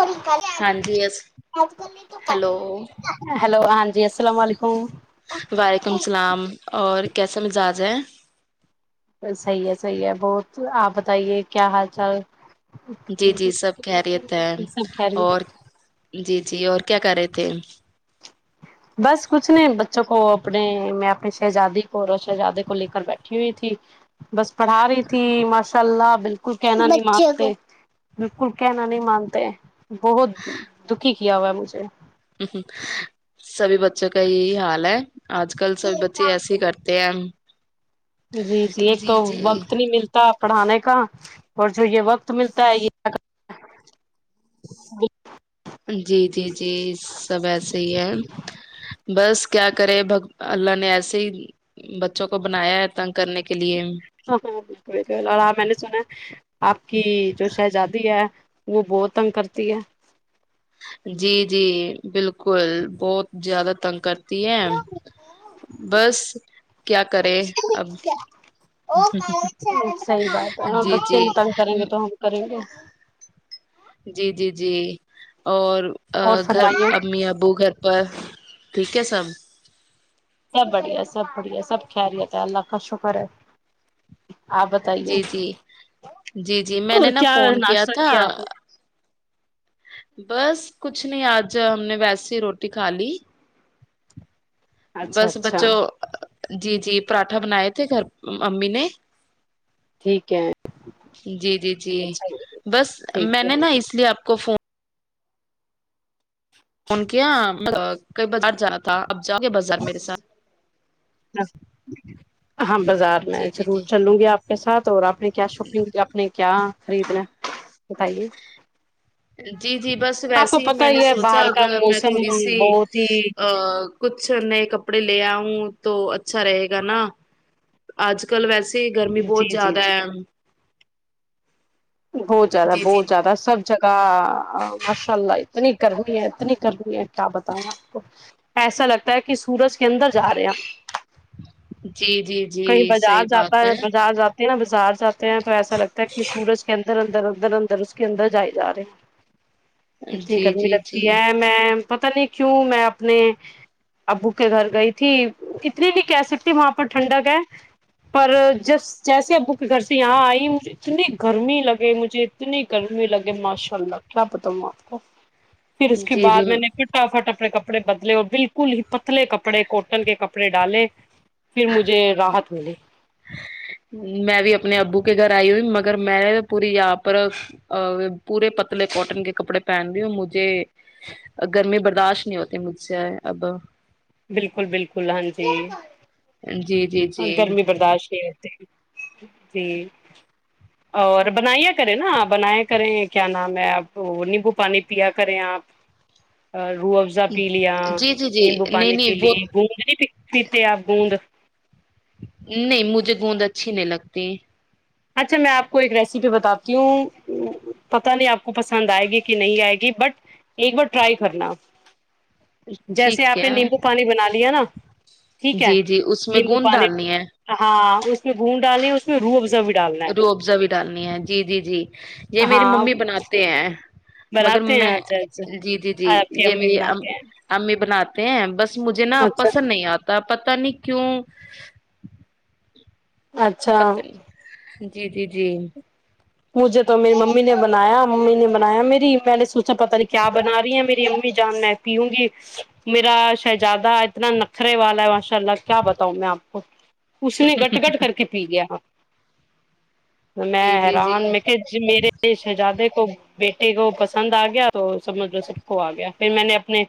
آج کل ہاں جی یس میں توک ہیلو ہیلو ہاں جی السلام علیکم وعلیکم السلام اور کیسا مزاج ہے صحیح ہے صحیح ہے بہت آپ بتائیے کیا حال چال جی جی سب خہریت ہیں سب خیریت اور جی جی جی اور کیا کر رہے تھے بس کچھ نہیں بچوں کو اپنے میں اپنے شہزادی کو اور شہزادے کو لے کر بیٹھی ہوئی تھی بس پڑھا رہی تھی ماشاء اللہ بالکل کہنا نہیں مانتے بالکل کہنا نہیں مانتے بہت دکی کیا ہوا ہے مجھے ہ [inaudible] سبھی بچوں کا یہی حال ہے آج کل سب بچے ایسے ہی کرتے ہیں جی جی ایک تو وقت نہیں ملتا پڑھانے کا اور جو یہ وقت ملتا ہے یہ جی جی جی سب ایسے ہی ہے بس کیا کرے بگ اللہ نے ایسے ہی بچوں کو بنایا ہے تنگ کرنے کے لیے ہاں ہاں بال بک اور آ میں نے سنا آپ کی جو شہزادی ہے وہ بہت تنگ کرتی ہے جی جی بالکل بہت زیادہ تنگ کر ہے بس کیا کرے اب صحیح بات ہے ہاں جی بچے جی نہیں تنگ کریں گے تو ہم کریں گے جی جی جی اور اور گھر فرمائیے امی ابو گھر پر ٹھیک ہے سب سب بڑھیا سب بڑھیا سب خیریت ہے اللہ کا شکر ہے آپ جی بتائیے جی جی جی میں اور نے نا فون کیا ناشتہ تھا آپ نے بس کچھ نہیں آج ہم نے ویسیے ہی روٹی کھا لی اچھا بس اچھا بچوں جی جی پراٹھا بنائے تھے گھر امی نے ٹھیک ہے جی جی جی اچھا بس ٹھیک میں نے نا ہے اس لیے آپ کو فون ان کے یہاں ک ب جانا تھا اب جاؤ گے بازار میرے ساتھ ہاں بازار میں جی جی ضرور جی چلوں گی آپ کے ساتھ اور آپ نے کیا شاپ آپ نے کیا خریدنا بتائیے جی جی بس آپ کو ویسے ہی پتا میں نے ہے سوچا باہر کا اگر میں موسم تھوڑی سی بہت ہی کچھ نئے کپڑ کپڑے لے آؤں تو اچھرے گ نا آج کل ویسے سے گرمی جی بہت جی زیادہ جی ہے بہت زیادہ جی جی بہت زیادہ سب جگہ ماشاء اللہ اتنی گرمی ہے اتنی گرمی ہے کیا بتائیں آپ کو ایسا لگتا ہے کہ سورج کے اندر جا رہے ہم جی جی کہیں جی بازار صحیح جاتا بات ہے بازار جاتا نا بازار جاتے ہیں تو ایسا لگتا ہے کہ سورج کے اندر اندر اندر اندر اس کے اندر جائے جا رہے ہیں اتنی جی گرمی جی جی لگتی ہے میں پت نہیں کیوں میں اپنے ابو کے گھر گئی تھی اتنی نہیں کہہ سکتی وہاں پر ٹھنڈک ہے پر جس جیسے ابو کے گھر سے یہاں آئی اتنی گرمی لگے مجھے اتنی گرمی لگے ماشاء اللہ کیا بتاؤںا آپ کو پھر اس کے جی جی بعد میں نے فٹافٹ اپنے کپڑے کپڑے بدلے اور بالکل ہی پتلے کپڑے کوٹن کے کپڑے ڈالے پھر مجھے راحت ملی میں بھی اپنے ابو کے گھر آئی ہوئی مگر میں نے پوری یہاں پر پورے پتلے کاٹن کے کپڑے پہن لی ہوں مجھے گرمی برداشت نہیں ہوتی مجھ سے اب بالکل بالکل ہاں جی جی جی ہاں جی گرمی برداشت جی اور بنیا کریں نا آپ بنایا کریں کیا ن میں آپ نیمبو پانی پیا کریں آپ روح افزا پی لیا جی جی جی نیمبو نہیں پانی پی نہیں لی وہ گوندنی پی پیتے آپ گوند نہیں مجھے گوندا اچھی نہیں لگتی اچھا میں آپ کو ایک ریسیپی بتاتی ہوں پتہ نہیں آپ کو پسند آئے گی کہ نہیں آئے گی بٹ ایک بار ٹرائی کرنا جیسے ٹھیک آپ نے نیمبو ہے پانی بنا لیا نا ٹھیک ہے جی جی اس میں نیبو گوند پانی ڈالنی ہے ہاں اس میں گھون ڈالیں اس میں رو رو افزا بھی ڈالنی ہے جی جی جی یہ میری ہاں ممی بناتے ہیں مگر بناتے میں ہیں اچھا اچھا جی جی جی آپ کی یہ امی میری ام بناتے ہیں امی بناتے ہیں بس مجھے نا اچھا پسند نہیں آتا تن کی اچھا پتن جی جی جی مجھے تو میری ممی ممی نے بنایا امی نے بنایا میری میں نے س اچا پتا نہیں کیا بنا رہی ہیں میری امی بھی جان میں پیوں گی میرا شہزادہ اتنا نخرے والا ہے ماشاء اللہ کیا بتاؤں میں آپ کو اس نے گٹ گٹ کر کے پی لیا تو جی میں ہے جی جی ران میں میرے شہزادے کو بیٹے کو پسند آ گیا تو سب مجھ لو سب کو آ گیا پھر میں نے اپنے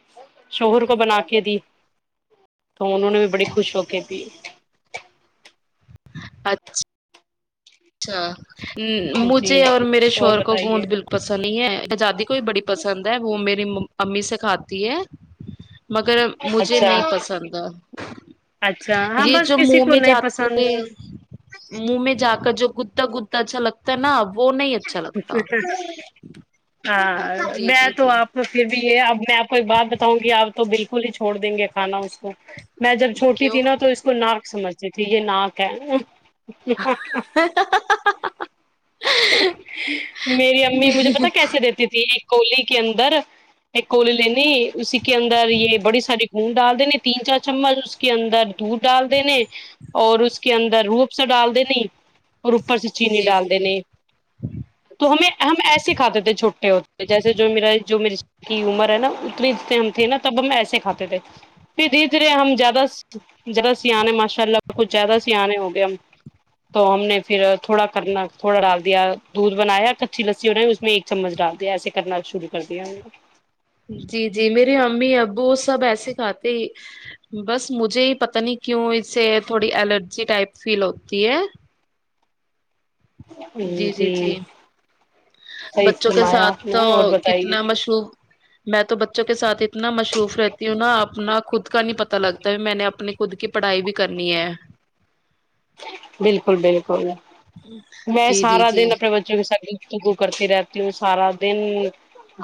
شوہر کو بنا کے دی تو انہوں نے بھی بڑی خوش ہو کے پ اچھا اچھا جی مجھے اور جی میرے اور شہور کو بتائیے گوند بالکل پسند نہیں ہے آزادی کو بھی بڑی پسند ہے وہ میرے امی سے کھاتی ہے مگر مجھے اچھا نہیں پسند ہے اچھا ہاں یہ بس جو کسی منہ کو میں نہیں جاتے پسند منہ میں جات کا جو کتا کتا اچھا لگتا ہے ن اب اچ اچ ہاں جی میں جی تو جی آپ کو پھر اب میں آپ کو ایک بات بتاؤں گی آپ تو بالکل ہی چھوڑ دیں گے کھانا اس کو میں جب چھوٹی کیوں تھی ن نہ تو اس کو ناک سمجھ ج ھ یہ ن کہ [unintelligible] میری امی مجھے پتا کیسے دیتی تھی ایک کولی کے اندر ایک کولی لینی اسی کے اندر یہ بڑی ساری گڈ ڈال دینے تین چار چمچ اس کے اندر دودھ ڈال دینے اور اس کے اندر روپ سے ڈال دینی اور اوپر سے چیننی جی ڈال جی دی جی نہیں تو ہمیں اچھا ہم ایسے کھاتے تھے چھوٹے ہوتے جیسے جو میرا جو کی عمر ہے نا اتنے اتنے ہم تھے نا تب ہم ایسے کھاتے تھے پھر دھیرے دھیرے ہم زیادہ زیادہ سیانے ماشاء اللہ کچھ زیادہ س آنے ہو گئے ہم تو ہم نے پھر تھوڑا کرنا تھوڑا ڈال دیا دودھ بنایا کچی لسی ہو رہ اس میں ایک چمچ ڈال دیا ایسے کرنا شروع کر دیا ہم نے جی جی میرے امی ابو وہ سب ایسے کھاتے ہی بس مجھے ہی پتہ نہیں کیوں اس سے تھوڑی الرجی ٹائپ فیل ہوتی ہے جی جی جی صحیح بچوں کے فرمایا آپ ساتھ نے اور بتائیے کتنا مشہور میں تو بچوں کے سات ہی نا مصروف رہتی ہوں نا اپنا خود کا نہیں پتا پتا لگتا ہے میں نے اپنے خود کے پڑھائی بھی کرنی ہے بالکل بالکل میں جی جی سارا دن اپنے جی بچوں کے ساتھ گگو کرتی رہتا توں سارا دن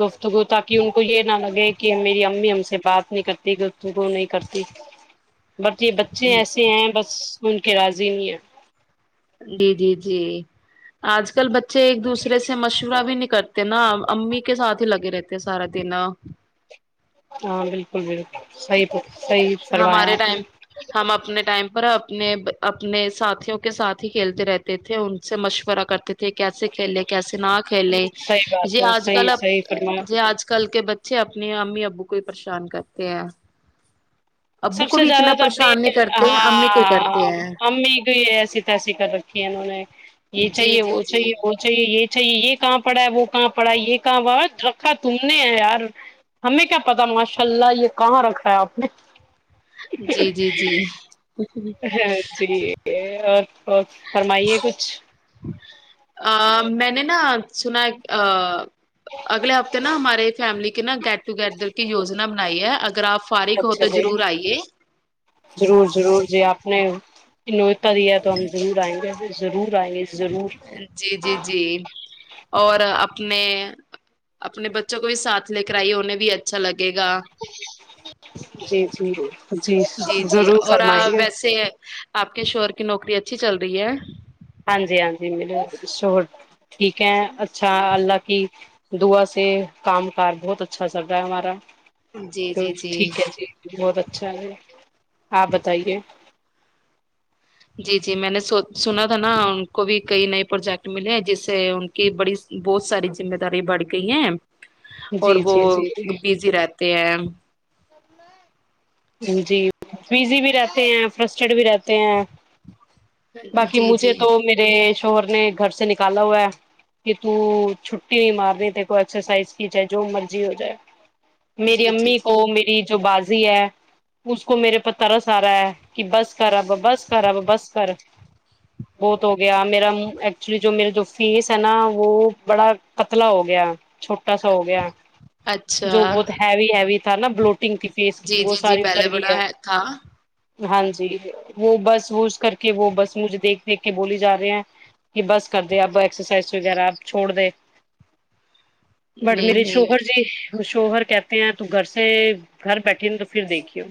گف [unintelligible] تاکہ ان کو یہ نہ لگے کہ میری امی ہم سے بات نہیں کرتی وہ نہیں کرتی بٹ یہ بچے ایسے ہیں بس [unintelligible] ان کے را زیا [unintelligible] جی جی جی آج کل بچ [inaudible] [inaudible] ایک دوسر سے مشورہ بھی نک [unintelligible] کرتے نا امی کے ساتھ ہی لگے رہتے ہیں سارا دن [unintelligible] ہاں بالکل بالکل [inaudible] صحیح صحیح کروایا ہمارے آپ نے ٹائم ہم [inaudible] اپنے ٹائم اپنے اپنے ساتھیوں کے ساتھ ہی کھیلتے رہتے تھے ان سے مشورہ کرتے تھے [unintelligible] کیسے کھیلے کیسے نہ کھیلے صحیح بات یہ ہے آج کل صحیح ا صحیح فرمایا ج آج کل کے ب [unintelligible] پچھے اپنی امی ابو کوئی پریشان کرتے ہیں [unintelligible] ابو سب کو سے بھی اتنا زیادہ تو اپنی پریشان نہیں کرتے ہیں امی کو ہی ہاں کرتے ہیں امی کو ایسی تسی کر رکھی ہے انہوں نے یہ جی چاہیے جی وہ چاہیے وہ جی چاہیے یہ چاہیے یہ [inaudible] [inaudible] کہاں پڑا ہے وہ کہاں پڑا ہے یہ کہاں رکھا تم نے ہے یار ہمیں کیا پتا ماشاء اللہ یہ کہاں رکھا ہے آپ نے [unintelligible] جی جی جی [inaudible] جی اور فرمائیے کچھ [inaudible] ب [inaudible] ا میں نے نا [unintelligible] سنا اگلے ہفتے نا ہمارے فیملی کے نا گیٹ ٹوگیدر کی یجنا بنائی ہے اگر آپ [unintelligible] اچھا تو جی ضرور آئیے ضرور ضرور جی آپ نے [inaudible] نوتا ہے تو ہم ضرور آئیں گے [unintelligible] ضرور آئی ضرور [inaudible] جی جی جی اور اپنے اپنے بچوں کو بھی ساتھ لے کر آئیے انہیں بھی اچھا لگے [unintelligible] جی جی جی [inaudible] جی جی ضرور اور فرمائی آ- گے [inaudible] ویسے آپ کے شوہور کی نوکری اچھی چل رہی ہے [unintelligible] ہاں جی ہاں جی م ش [inaudible] ٹھیک ہے اچھا اللہ کی [unintelligible] دوا سے کام کاار بہت اچھا چل رہا ہے ہمارا [unintelligible] جی تو جی ٹھیک ہے جی بہت اچھا ہے آپ بتائیے [inaudible] جی جی میں نے سنا تھا نا ان کو بھی کئی نئے پروجیکٹ ملے ہیں جس سے ان کی بڑی بہت ساری ذمہ داری بڑھ گئی ہیں [unintelligible] اور جی وہ جی جی بزی رہتا [unintelligible] ت ا [inaudible] جی بزی بھی رہتے ہیں فرسٹڈ بھی رہتے ہیں [unintelligible] [inaudible] باقی جی مجھے جی تو میرے [unintelligible] شور نے گھر سے نکالا ہوا کہ تو چھٹی نہیں مار رہی ت کو ایکسرسائز کی جائے جو مرضی ہو جائے [unintelligible] میری جی جی امی [inaudible] جی وہ میری جو باز اس کو میرے پر ترس آ رہا ہے کہ بس [unintelligible] خرااب بس خرااب بس خر [unintelligible] بہت ہو گیا میرا ایکچولی جو میرے جو فیس ہے نا وہ بڑا قتلا ہو گیا چھوٹ چٹا سو ہو گیا جو اچھا بہت ہےو ہےو [unintelligible] نا بلوٹنگ تھی فیس جی وہ جی جی ساری پہلے اتر گئی بڑا ہے تھا [unintelligible] ہاں جی وہ بس وہز کر کے وہ بس مجھے دیکھ دیکھ کے بولی جا رہی ہیں کہ بس کر دے اپ ایکسرسائز وغیرہ آپ چھوڑ دے بٹ نہیں میرے نہیں شوہر جی شوہر کہتے ہیں تو گرس [unintelligible] گھر بیٹے تو پھر دیکھی ہو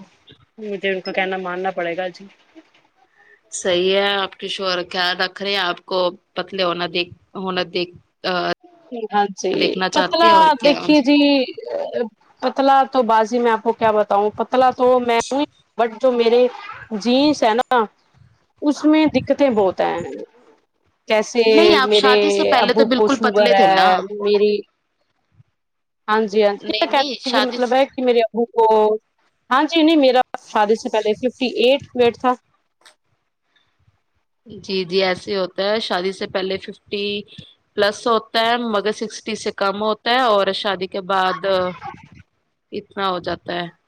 مجھے ان کا کہنا ماننا پڑے گا جی [unintelligible] صحیح ہے آپ ک ش کیا رکھ رہے ہیں آپ کو پتلے ہونا دیک ہونا دیکھ ہاں جی دیکھنا چاہتے پتلا ہیں اور کیا دیکھیے جی [unintelligible] پتلا تو بازی میں آپ کو [unintelligible] کیا بتاؤں پتلا تو میں ہوں ب [unintelligible] جو میرے جینس ہے نا [unintelligible] اس میں دقتیں بہت ہیں کیسے نہیں آپ میرے شادی سے پہلے ابو تو بالکل شوگر پتلے تھے ہے نا میری [unintelligible] جی [unintelligible] ہاں جی ہاں ج نہیں کیا نہیں کہ شادی مطلب ہے سے- کہ میرے ابو ا ہاں جی نہیں میرا فاد سے پہلے ففٹی ایٹ ویٹ تھا [unintelligible] جی جی ایسے ہوتا ہے شادی سے پہلے ففٹی پلس ہوتا ہے مگر سکسٹی سے کم ہوتا ہے اور شادی اس کے بعد [unintelligible] اتنا ہو جاتا ہے [unintelligible]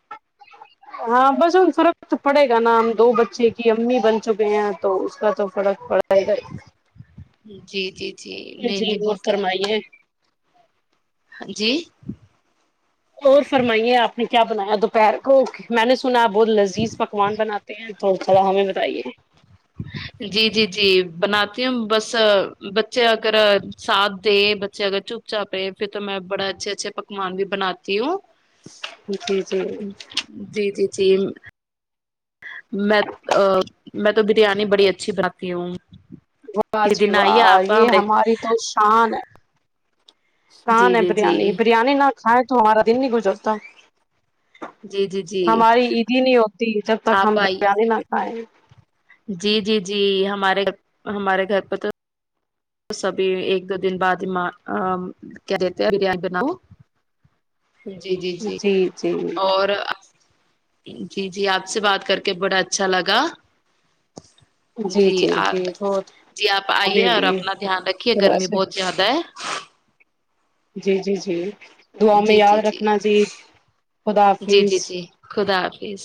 ہاں بس ان فرق تو پڑے گا نا ہم دو بچے کی امی بن چکے ہیں تو اس کا تو فرق پڑےا فائ گ [unintelligible] جی جی [unintelligible] نہیں جی نہیں وہ بہت فرمائیے جی [unintelligible] اور فرمائیے آپ نے کیا بنایا دوپہر کو اوکے میں نے سنا آپ بہت لذیذ پکوان بناتے ہیں تو تھوڑا ہمیں بتائیے جی جی جی بناتی ہوں بس بچے اگر ساتھ دے بچے اگر چپ چاپ رہے پھر تو میں بڑا اچھے اچھے پکوان بھی بناتی ہوں جی جی جی جی [unintelligible] جیم [unintelligible] میں ا میں [unintelligible] تو بریانی بڑی اچھی بناتی ہوں [unintelligible] و کسی جی دن آئیے واہ آپ یہ ہمارے ہماری تو شان ہے جی شان ہے جی جی بریانی بریانی نہ کھائے تارا دن نکجوستا جی جی جی ہماری عیدی نہیں ہوتی جب تک ہم آپ آئی بریانی نہ کھائیں جی جی جی ہمارے ہمارے گھر پہ تو تو س ابھی ایک دو دن بعد ہیاں کیا کہتے بریانی بناؤ جی جی جی اور جی جی آپ سے بات کر کے بڑا اچھا لگا جی جی جی بہت جی آپ آئیے ہمیں اور بھی اپنا دھیان رکھیے گرمی بس بہت زیاد ہے جی جی جی دعاؤں میں جی جی یاد جی رکھنا خدا جی جی حافظ جی خدا فس